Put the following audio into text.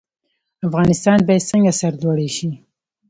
افغانستان باید څنګه سرلوړی شي؟